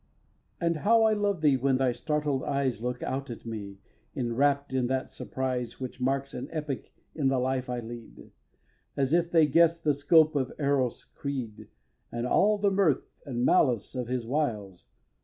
xvi. And how I love thee when thy startled eyes Look out at me, enrapt in that surprise Which marks an epoch in the life I lead, As if they guess'd the scope of Eros' creed And all the mirth and malice of his wiles.